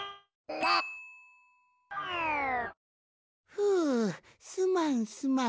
ふうすまんすまん。